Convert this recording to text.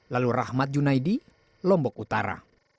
lalu rahmat junaidi lombok utara